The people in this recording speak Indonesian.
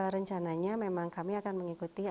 rencananya memang kami akan mengikuti